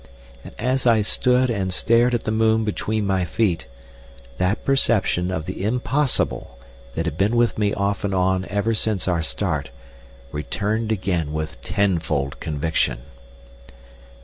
And as I stood and stared at the moon between my feet, that perception of the impossible that had been with me off and on ever since our start, returned again with tenfold conviction.